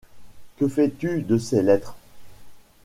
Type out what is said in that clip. Que fais-tu de ses lettres ?